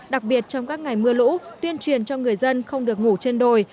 đặc biệt trong các ngày mưa lũ tuyên truyền cho người dân không được ngủ trên đồi